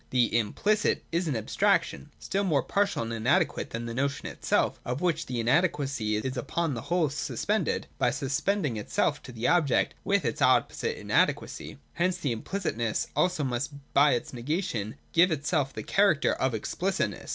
The 'implicit' is an abstraction, still more partial and inadequate than the notion itself, of which the inadequacy is upon the whole suspended, by suspend ing itself to the object with its opposite inadequacy. Hence that implicitness also must, by its negation, give itself the character of explicitness.